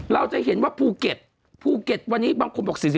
เราจะเห็นว่าภูเก็ตวันนี้บางคนบอก๔๔